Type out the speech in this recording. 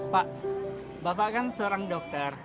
pak bapak kan seorang dokter